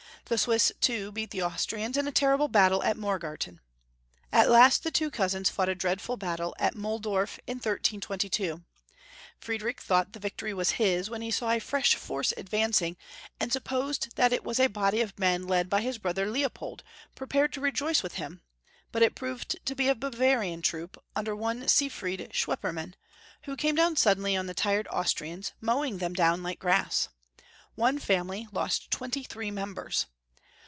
The Swiss, too, beat the Austrians in a terrible battle at Morgarten. At last the two cousins fought a dreadful battle at Muhldorf in 1322. Friediich thought the vic tory was liis, when he saw a fresh force advancing, and supposed that it was a body of men led by his brother Leopold prepared to rejoice with him, but it proved to be a Bavarian troop, under one Sifred Schwepperman, who came suddenly down on the tired Austrians, mowing them down like grass. One family lost twenty thi*ee members.